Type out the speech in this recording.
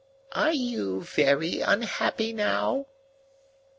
"Are you very unhappy now?"